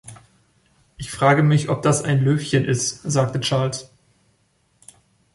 Ich frage mich, ob das ein Löwchen ist, sagte Charles.